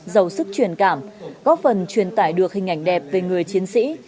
giàu sức truyền cảm góp phần truyền tải được hình ảnh đẹp về người chiến sĩ